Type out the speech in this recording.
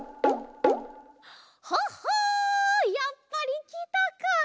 ほっほやっぱりきたか。